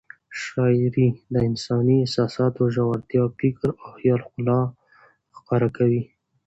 شاعري د انساني احساساتو ژورتیا، فکر او خیال ښکلا ښکاره کوي.